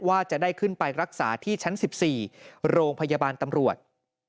ว่าจะได้ขึ้นไปรักษาที่ชั้น๑๔โรงพยาบาลตำรวจ